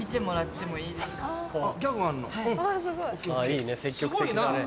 いいね積極的だね。